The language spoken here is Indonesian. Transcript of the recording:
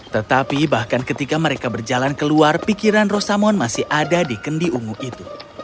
tetapi bahkan ketika mereka berjalan keluar pikiran rosamon masih ada di kendi ungu itu